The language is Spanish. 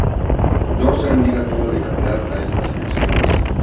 Georgia niega toda legalidad a estas elecciones.